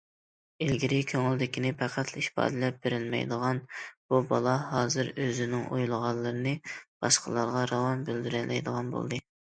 ئىلگىرى كۆڭلىدىكىنى پەقەتلا ئىپادىلەپ بېرەلمەيدىغان بۇ بالا، ھازىر ئۆزىنىڭ ئويلىغانلىرىنى باشقىلارغا راۋان بىلدۈرەلەيدىغان بولدى.